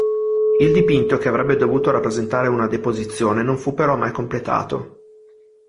Il dipinto, che avrebbe dovuto rappresentare una "Deposizione", non fu però mai completato.